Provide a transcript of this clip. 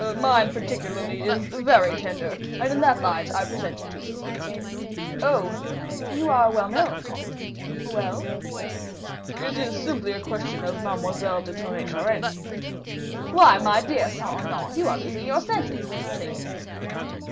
"Mine particularly is very tender, and in that light I present it to you." "Oh! you are well known, comte. Well?" "It is simply a question of Mademoiselle de Tonnay Charente." "Why, my dear Saint Aignan, you are losing your senses, I should think."